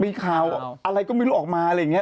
มีข่าวอะไรก็ไม่รู้ออกมาอะไรอย่างนี้